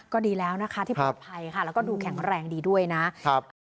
ก็ดีแล้วนะคะที่ปลอดภัยค่ะแล้วก็ดูแข็งแรงดีด้วยนะครับ